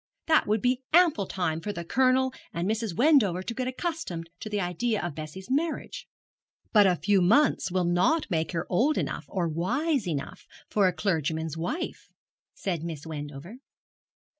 That would be ample time for the Colonel and Mrs. Wendover to get accustomed to the idea of Bessie's marriage.' 'But a few months will not make her old enough or wise enough for a clergyman's wife,' said Miss Wendover.